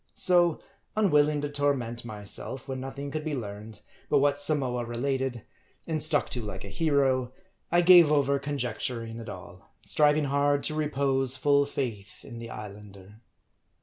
So, unwilling to torment myself when nothing could be learned, but what Samoa related, and stuck to like a hero ; I gave over conjecturing at all ; striving hard to repose full faith in the Islander.